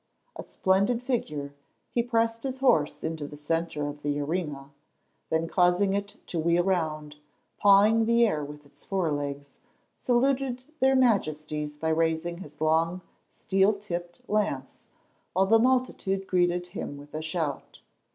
A splendid figure, he pressed his horse into the centre of the arena, then causing it to wheel round, pawing the air with its forelegs, saluted their Majesties by raising his long, steel tipped lance, while the multitude greeted him with a shout.